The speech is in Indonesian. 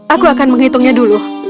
aku akan menghitungnya dulu